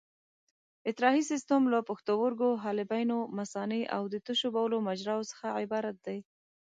اطراحي سیستم له پښتورګو، حالبینو، مثانې او د تشو بولو مجراوو څخه عبارت دی.